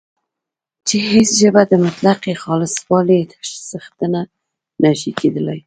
چې هیڅ ژبه د مطلقې خالصوالي څښتنه نه شي کېدلای